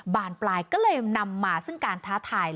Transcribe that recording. บานปลายก็เลยนำมาซึ่งการท้าทาย